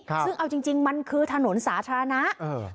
ซึ่งเอาจริงจริงมันคือถนนสาธารณะ